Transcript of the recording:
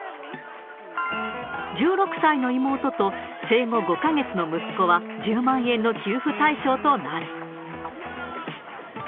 １６歳の妹と生後５か月の息子は、１０万円の給付対象となる。